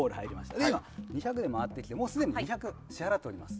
２００で回ってきてすでに２００支払っております。